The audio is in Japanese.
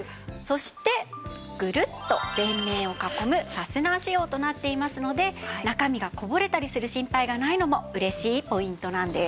そしてぐるっと全面を囲むファスナー仕様となっていますので中身がこぼれたりする心配がないのも嬉しいポイントなんです。